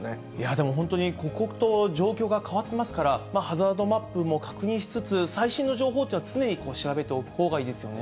でも本当に刻々と状況が変わっていますから、ハザードマップも確認しつつ、最新の情報というのは常に調べておくほうがいいですよね。